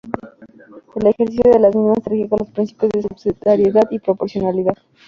El ejercicio de las mismas se rige por los principios de subsidiariedad y proporcionalidad.